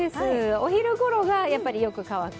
お昼ごろがやっぱりよく乾く。